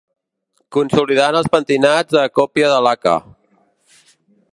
Consolidant els pentinats a còpia de laca.